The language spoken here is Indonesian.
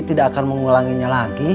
tidak akan mengulanginya lagi